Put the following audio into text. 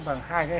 bằng hai cái